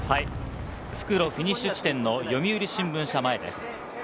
復路フィニッシュ地点の読売新聞社前です。